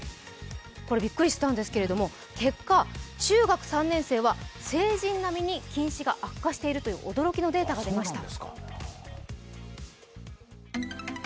これ、びっくりしたんですけれども結果、中学３年生は成人なみに近視が悪化しているという驚きのデータが出ました。